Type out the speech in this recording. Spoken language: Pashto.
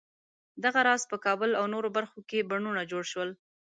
دغه راز په کابل او نورو برخو کې بڼونه جوړ شول.